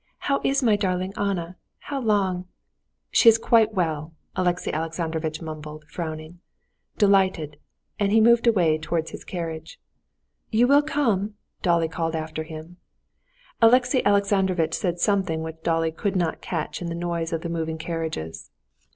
How is my darling Anna? How long...." "She is quite well," Alexey Alexandrovitch mumbled, frowning. "Delighted!" and he moved away towards his carriage. "You will come?" Dolly called after him. Alexey Alexandrovitch said something which Dolly could not catch in the noise of the moving carriages.